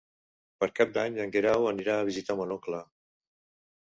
Per Cap d'Any en Guerau anirà a visitar mon oncle.